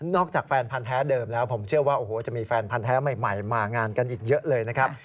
จากแฟนพันธ์แท้เดิมแล้วผมเชื่อว่าโอ้โหจะมีแฟนพันธ์แท้ใหม่มางานกันอีกเยอะเลยนะครับ